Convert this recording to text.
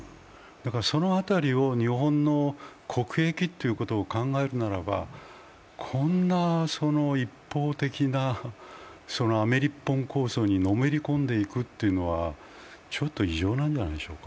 その辺りを日本の国益ということを考えるならばこんな一方的なアメリッポン構想にのめり込んでいくというのはちょっと異常なんじゃないでしょうか。